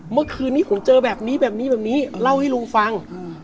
เมื่อคืนนี้ผมเจอแบบนี้เล่าให้ลุงฟัง